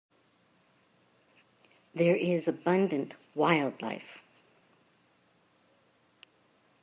There is abundant Wildlife.